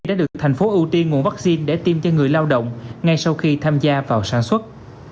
đã được thành phố ưu tiên nguồn vaccine để tiêm cho người lao động ngay sau khi tham gia vào sản xuất